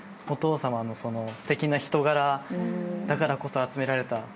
お父さまのすてきな人柄だからこそ集められた。